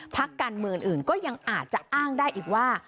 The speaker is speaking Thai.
พักการเมืองอื่นก็ยังอาจจะอ้างได้อีกว่า